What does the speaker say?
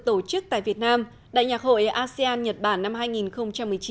tổ chức tại việt nam đại nhạc hội asean nhật bản năm hai nghìn một mươi chín